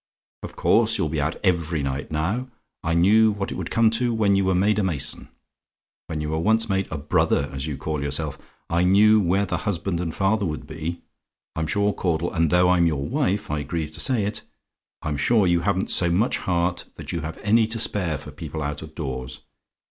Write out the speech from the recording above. Of course you'll be out every night now. I knew what it would come to when you were made a mason: when you were once made a 'brother,' as you call yourself, I knew where the husband and father would be; I'm sure, Caudle, and though I'm your own wife, I grieve to say it I'm sure you haven't so much heart that you have any to spare for people out of doors.